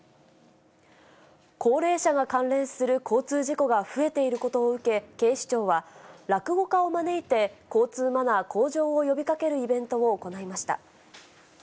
高齢者が関連する交通事故が増えていることを受け、警視庁は、落語家を招いて、交通マナー向上を呼びかけるイベントを行いました。